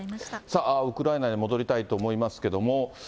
ウクライナに戻りたいと思いますけれども。